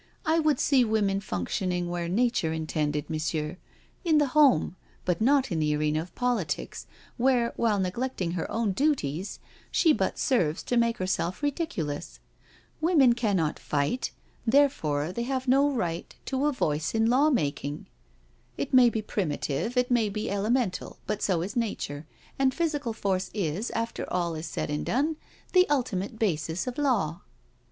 I would see women functioning where Nature intended. Monsieur — in the home, but not in the arena of politics, where, while neglecting her own duties, she but serves to m^e herself ridiculous. Women cannot fight, therefore they have no right to 232 NO SURRENDER a voice in law making. It may. be primitive, it may be elemental, but so is nature, and physical force is, after all is said and done, the ultimate basis of law."